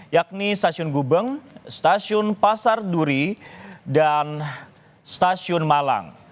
yakni stasiun gubeng stasiun pasar duri dan stasiun malang